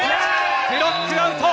ブロックアウト。